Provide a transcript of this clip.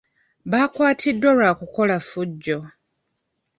Baakwatiddwa lwa kukola ffujjo.